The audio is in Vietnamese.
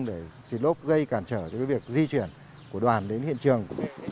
để xì lốp gây cản trở cho việc di chuyển của đoàn đến hiện trường